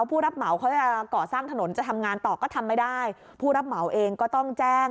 ผู้รับเหมาเขาจะก่อสร้างถนนจะทำงานต่อก็ทำไม่ได้ผู้รับเหมาเองก็ต้องแจ้ง